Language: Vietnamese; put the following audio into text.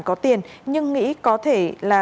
có tiền nhưng nghĩ có thể là